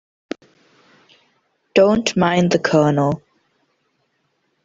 Don't mind the Colonel.